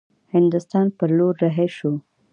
هندوستان پر لور رهي شي.